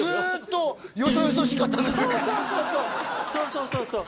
そうそうそうそう！